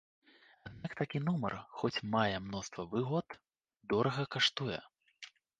Аднак такі нумар, хоць мае мноства выгод, дорага каштуе.